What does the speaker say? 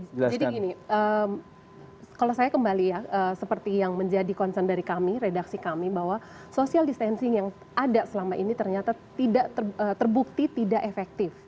jadi gini kalau saya kembali ya seperti yang menjadi concern dari kami redaksi kami bahwa social distancing yang ada selama ini ternyata tidak terbukti tidak efektif